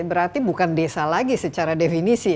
berarti bukan desa lagi secara definisi